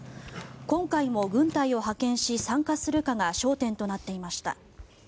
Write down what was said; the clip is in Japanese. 今回も軍隊を派遣し参加するかが焦点となっていました。